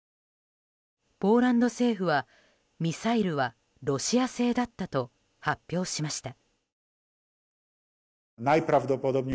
ポーランド政府はミサイルはロシア製だったと発表しました。